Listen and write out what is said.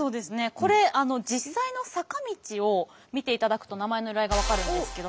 これ実際の坂道を見ていただくと名前の由来が分かるんですけど。